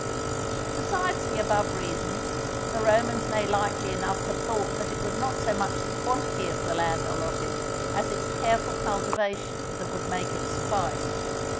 Besides the above reasons, the Romans may likely enough have thought that it was not so much the quantity of the land allotted as its careful cultivation that would make it suffice.